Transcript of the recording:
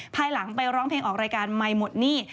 ภายหลังไปร้องเพลงออกรายการใหม่หมดหนี้